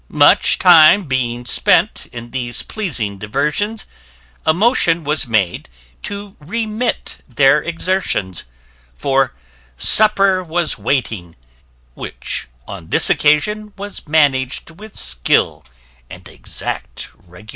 Much time being spent in these pleasing diversions, A motion was made to remit their exertions: For supper was waiting; which, on this occasion, Was manag'd with skill, and exact regulation.